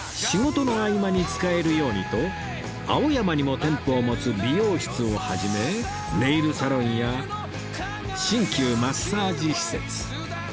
仕事の合間に使えるようにと青山にも店舗を持つ美容室を始めネイルサロンや鍼灸マッサージ施設